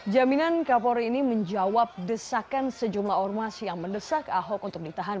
jaminan kapolri ini menjawab desakan sejumlah ormas yang mendesak ahok untuk ditahan